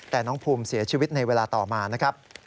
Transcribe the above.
แต่น้องภูมิเสียชีวิตในเวลาต่อมานะครับ